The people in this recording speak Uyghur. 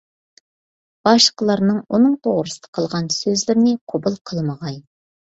باشقىلارنىڭ ئۇنىڭ توغرىسىدا قىلغان سۆزلىرىنى قوبۇل قىلمىغاي.